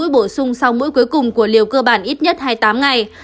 bổ sung sau mũi cuối cùng của liều cơ bản ít nhất hai mươi tám ngày